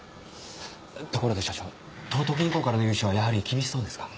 ところで社長東都銀行からの融資はやはり厳しそうですか？